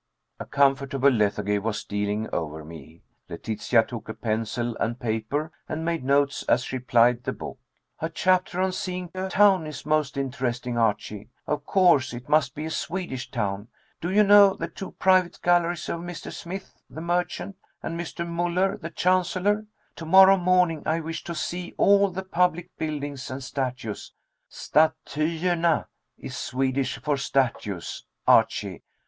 '" A comfortable lethargy was stealing o'er me. Letitia took a pencil and paper, and made notes as she plied the book. "A chapter on 'seeing a town' is most interesting, Archie. Of course, it must be a Swedish town. 'Do you know the two private galleries of Mr. Smith, the merchant, and Mr. Muller, the chancellor?' 'To morrow morning I wish to see all the public buildings and statues.' 'Statyerna' is Swedish for statues, Archie.